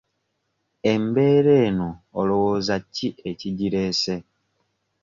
Embeera eno olowooza ki ekigireese?